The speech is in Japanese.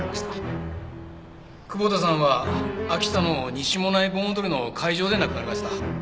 窪田さんは秋田の西馬音内盆踊りの会場で亡くなりました。